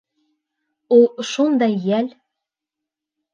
Ул шундай йәл...